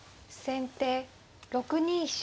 先手６二飛車。